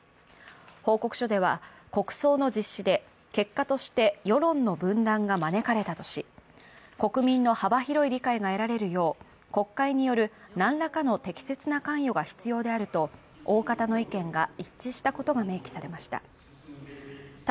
報告書では、国葬の実施で結果として世論の分断が招かれたとし、国民の幅広い理解が得られるよう国会によるなんらかの適切な関与が必要であると大方の意見が一致したことが明記されました。